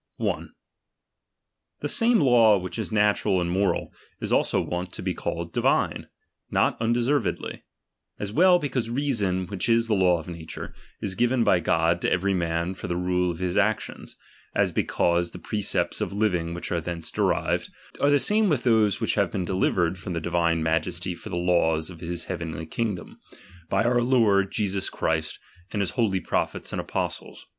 The same law which is natural and moral, is also wont to be called divine, nor uudeser\'edly ; as well because reason, which is the law of nature, is given by God to every man for the rule of his ac tions ; as because the precepts of living which are thence derived, are the same with those which have been delivered from the divine Majesty for the has of his heavenly kingdom, by our Lord Jesus Christ, and his holy prophets and apostles.